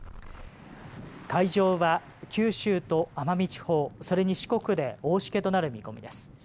海上は九州と奄美地方それに四国で大しけとなる見込みです。